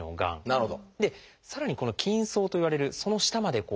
なるほど。